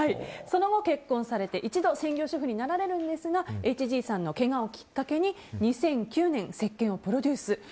その後、結婚されて一度専業主婦になられるんですがＨＧさんのけがをきっかけに２００９年せっけんをプロデュース。